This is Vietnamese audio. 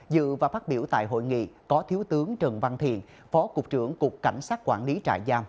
dự và phát biểu tại hội nghị có thiếu tướng trần văn thiện phó cục trưởng cục cảnh sát quản lý trại giam